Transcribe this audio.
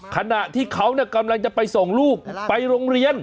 ขณะที่เขากำลังจะไปส่งลูกไปโรงเรียน